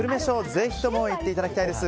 ぜひとも行っていただきたいです。